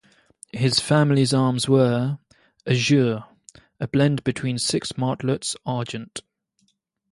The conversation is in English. His family's arms were: "Azure, a bend between six martlets argent".